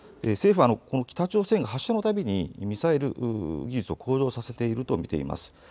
政府は北朝鮮が発射のたびにミサイル技術を向上させていると見ています。